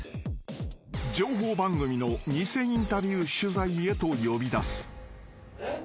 ［情報番組の偽インタビュー取材へと呼び出す］